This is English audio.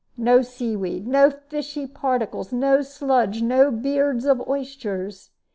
No sea weed, no fishy particles, no sludge, no beards of oysters.